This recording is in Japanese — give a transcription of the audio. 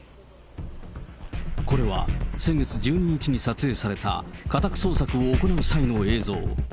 これは先月１２日に撮影された家宅捜索を行う際の映像。